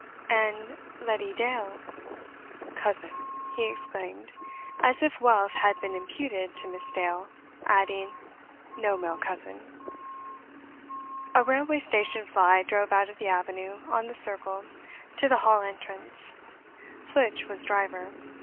"And Letty Dale?" "Cousin!" he exclaimed, as if wealth had been imputed to Miss Dale; adding: "No male cousin." A railway station fly drove out of the avenue on the circle to the hall entrance. Flitch was driver.